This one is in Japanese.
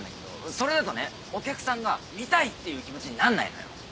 それだとねお客さんが「見たい」っていう気持ちになんないのよ。